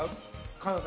関西。